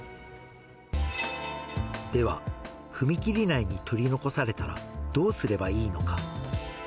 では、踏切内に取り残されたら、どうすればいいのか。